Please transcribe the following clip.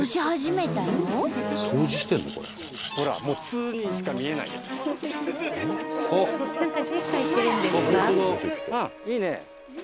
うんいいね！